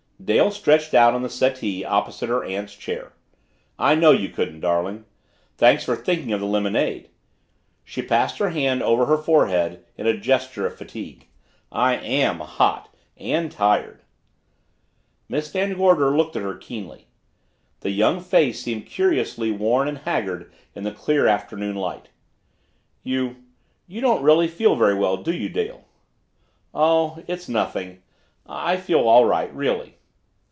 Dale stretched out on the settee opposite her aunt's chair. "I know you couldn't, darling. Thanks for thinking of the lemonade." She passed her hand over her forehead in a gesture of fatigue. "I AM hot and tired." Miss Van Gorder looked at her keenly. The young face seemed curiously worn and haggard in the clear afternoon light. "You you don't really feel very well, do you, Dale?" "Oh it's nothing. I feel all right really."